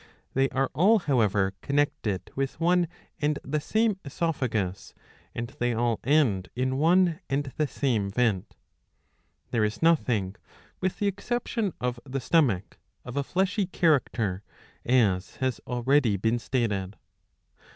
They are all however connected with one and the same oesophagus, and they all end in one and the same vent.^ There is nothing, with the exception of the stomach, of a fleshy character, as has already been stated.